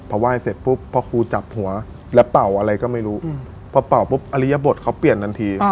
พอไหว้เสร็จปุ๊บพ่อครูจับหัวแล้วเป่าอะไรก็ไม่รู้พอเป่าปุ๊บอริยบทเขาเปลี่ยนทันที